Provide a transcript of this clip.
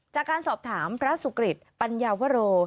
จากการสอบถามพระสุกริตปัญญาวโร